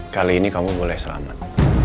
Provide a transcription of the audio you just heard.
kali ini kamu boleh selamat